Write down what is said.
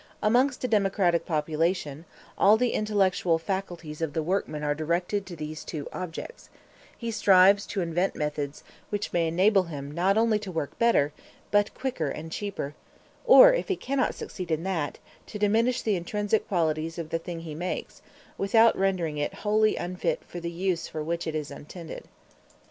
Amongst a democratic population, all the intellectual faculties of the workman are directed to these two objects: he strives to invent methods which may enable him not only to work better, but quicker and cheaper; or, if he cannot succeed in that, to diminish the intrinsic qualities of the thing he makes, without rendering it wholly unfit for the use for which it is intended.